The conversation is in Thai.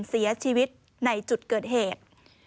เสียชีวิตในจุดเกิดเหตุ